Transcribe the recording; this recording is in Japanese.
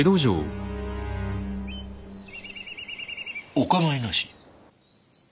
お構いなし？